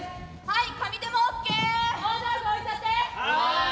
はい。